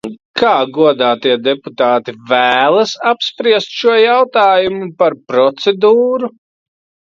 Kā godātie deputāti vēlas apspriest šo jautājumu par procedūru?